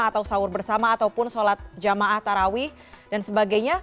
atau sahur bersama ataupun sholat jamaah tarawih dan sebagainya